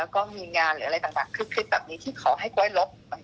ก็มีงานหรืออะไรต่างคลิปแบบนี้ที่ขอให้ครูอ้อยลบ